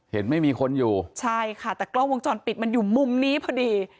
เห็นไม่มีคนอยู่ใช่ค่ะแต่กล้องวงจรปิดมันอยู่มุมนี้พอดี